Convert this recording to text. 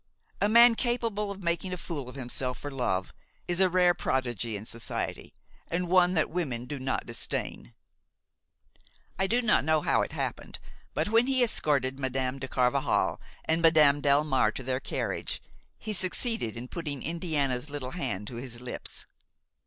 A man capable of making a fool of himself for love is a rare prodigy in society, and one that women do not disdain. I do not know how it happened, but when he escorted Madame de Carvajal and Madame Delmare to their carriage he succeeded in putting Indiana's little hand to his lips.